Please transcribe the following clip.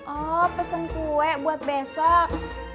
oh pesen kue buat besok